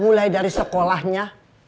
mulai dari sekolahnya